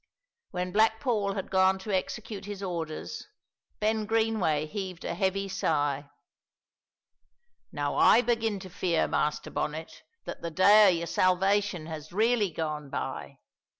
When Black Paul had gone to execute his orders, Ben Greenway heaved a heavy sigh. "Now I begin to fear, Master Bonnet, that the day o' your salvation has really gone by.